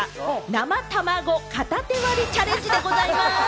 生たまご片手割りチャレンジでございます。